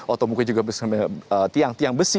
atau mungkin juga bersama tiang tiang besi